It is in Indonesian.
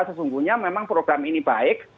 sesungguhnya memang program ini baik